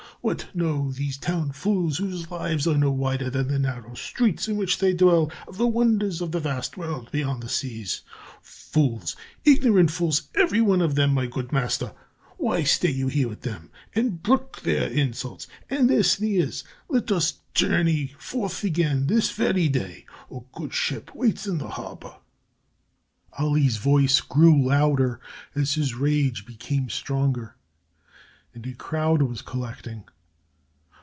What know these town fools, whose lives are no wider than the narrow streets in which they dwell, of the wonders of the vast world beyond the seas? Fools, ignorant fools, every one of them, my good master. Why stay you here with them and brook their insults and their sneers? Let us journey forth again this very day. A good ship waits in the harbor." Ali's voice grew louder as his rage became stronger and a crowd was collecting.